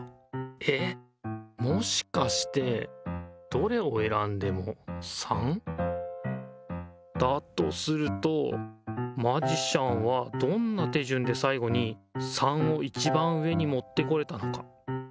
えっもしかしてどれをえらんでも３？だとするとマジシャンはどんな手順でさいごに３をいちばん上にもってこれたのか。